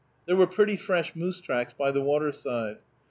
There were pretty fresh moose tracks by the waterside.